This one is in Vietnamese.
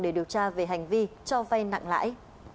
để điều tra về hành vi cho vay nặng lãi